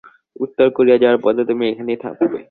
উত্তর কোরিয়া যাওয়ার পথে তুমি এখানেই থাকবে।